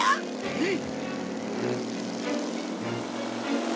うん！？